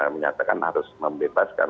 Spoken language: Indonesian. menyatakan harus membebaskan